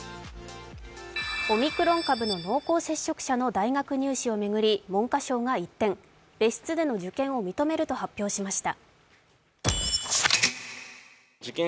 オミクロン株の濃厚接触者の大学入試を巡り、文科省が一転、別室での受験を認めると発表しました。